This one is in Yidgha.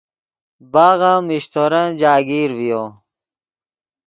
باغ ام میشتورن جاگیر ڤیو